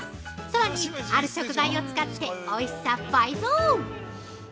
さらにある食材を使っておいしさ倍増！